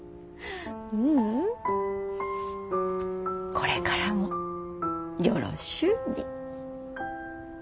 これからもよろしゅうに。